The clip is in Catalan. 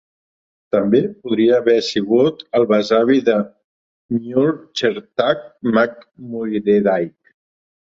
També podria haver sigut el besavi de Muirchertach mac Muiredaig.